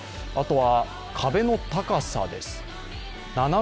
あとは壁の高さです。